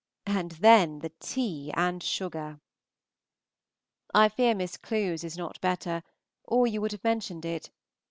And then the tea and sugar! I fear Miss Clewes is not better, or you would have mentioned it.